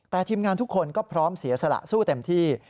แต่ทีมงานทุกคนก็พร้อมเสียสละสู้เต็มที่